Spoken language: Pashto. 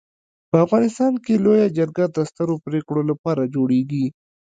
په افغانستان کي لويه جرګه د سترو پريکړو لپاره جوړيږي.